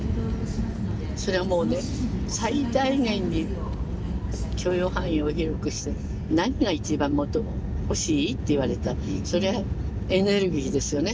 それはもうね最大限に許容範囲を広くして何が一番欲しいって言われたらそりゃあエネルギーですよね。